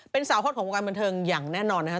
เป็นสาวโฆษณ์ของโปรการบันเทิงอย่างแน่นอนนะฮะ